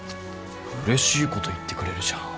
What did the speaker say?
うれしいこと言ってくれるじゃん。